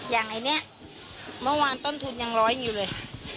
อย่างไอ้เนี่ยเมื่อวานต้นทุนยังร้อยอยู่เลย